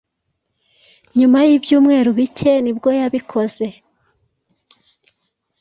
nyuma y’ibyumweru bike nibwo yabikoze